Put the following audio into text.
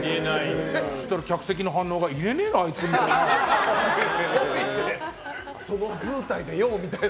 そしたら客席の反応が入れねえのあいつ、みたいな。